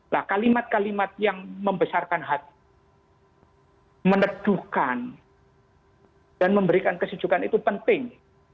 nah kalimat kalimat yang membesarkan hati meneduhkan dan memberikan kesejukan itu penting